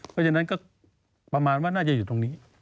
เพราะฉะนั้นก็ประมาณว่าน่าจะอยู่ตรงนี้